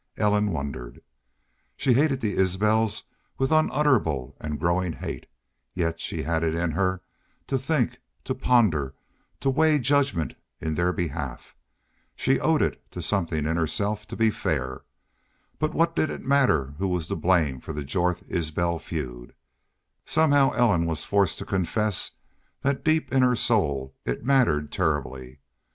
Ellen wondered. She hated the Isbels with unutterable and growing hate, yet she had it in her to think, to ponder, to weigh judgments in their behalf. She owed it to something in herself to be fair. But what did it matter who was to blame for the Jorth Isbel feud? Somehow Ellen was forced to confess that deep in her soul it mattered terribly.